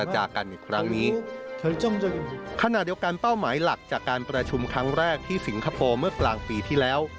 จากการประชุมครั้งแรกที่สิงคโปร์เมื่อกลางปีที่แล้ว